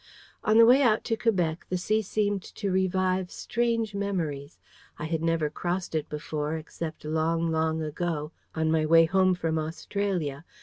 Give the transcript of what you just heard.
On the way out to Quebec, the sea seemed to revive strange memories. I had never crossed it before, except long, long ago, on my way home from Australia.